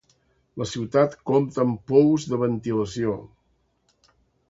La ciutat compta amb pous de ventilació.